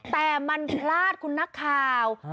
แต่มันพลาดคุณนักข่าว